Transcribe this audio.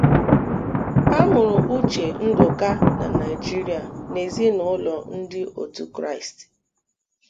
Amụrụ Uche Ndụka na Naịjirịa na ezinaụlọ ndị otu Kristi.